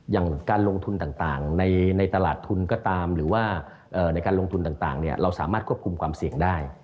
อย่างการลงทุนต่างในตลาดทุนก็ตามหรือว่าในการลงทุนต่างเราสามารถควบคุมความเสี่ยงได้